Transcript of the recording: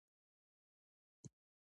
د دشت ناور مرغان نسل اخلي؟